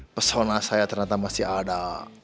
persona saya ternyata masih ada